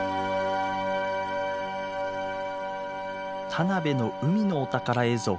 田辺の海のお宝映像。